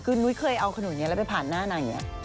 คือนุ้ยเคยเอาขนุนอย่างนี้แล้วไปผ่านหน้านางอย่างนี้